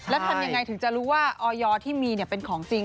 แล้วทำยังไงถึงจะรู้ว่าออยที่มีเป็นของจริง